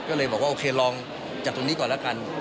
ก็เลยบอกว่าโอเคลองจัดตรงนี้ก่อนแล้วกัน